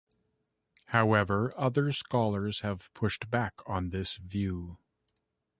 However, other scholars have pushed back on this view.